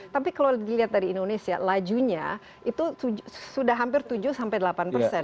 tapi kalau dilihat dari indonesia lajunya itu sudah hampir tujuh sampai delapan persen